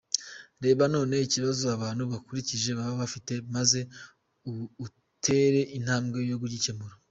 Reba none ikibazo abantu bagukikije baba bafite maze utere intambwe yo kugikemura.